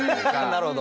なるほど。